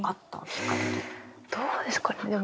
どうですかね？